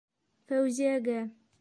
Фәүзиэгә...